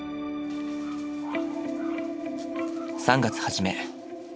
３月初め。